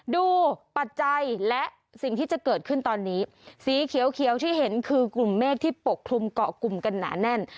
ปัจจัยและสิ่งที่จะเกิดขึ้นตอนนี้สีเขียวที่เห็นคือกลุ่มเมฆที่ปกคลุมเกาะกลุ่มกันหนาแน่น